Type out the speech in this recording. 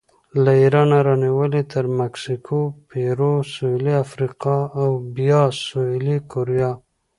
له ایرانه رانیولې تر مکسیکو، پیرو، سویلي افریقا او بیا سویلي کوریا